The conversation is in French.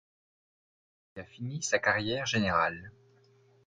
Il a fini sa carrière général.